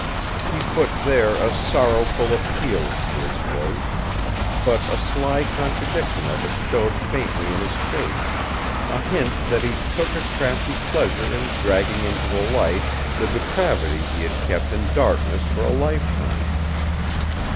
He put, there, a sorrowful appeal into his voice; but a sly contradiction of it showed faintly in his face, a hint that he took a crafty pleasure in dragging into the light the depravity he had kept in darkness for a lifetime.